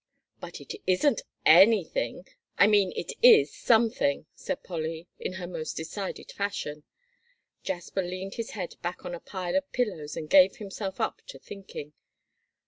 "But it isn't anything I mean it is something," said Polly, in her most decided fashion. Jasper leaned his head back on a pile of pillows, and gave himself up to thinking.